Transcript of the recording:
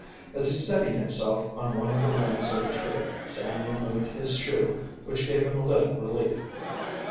As he steadied himself on one of the limbs of the tree Sam removed his shoe, which gave him a little relief.